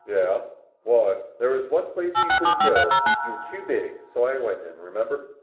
"Yeah, why?" "There was one place you couldn't go. You were too big, so I went in, remember?"